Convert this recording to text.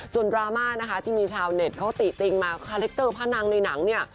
ส่วนดราม่านะคะที่มีชาวเน็ตเขาติติงมาคาแรคเตอร์พนังในหนังเนี่ย